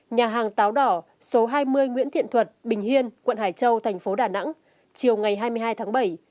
nhà hàng táo đỏ số hai mươi nguyễn thiện thuật bình hiên quận hải châu thành phố đà nẵng chiều ngày hai mươi hai tháng bảy